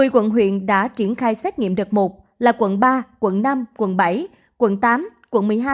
một mươi quận huyện đã triển khai xét nghiệm đợt một là quận ba quận năm quận bảy quận tám quận một mươi hai